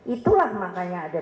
itulah makanya ada